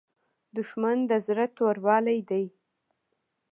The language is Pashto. دښمن د زړه توروالی دی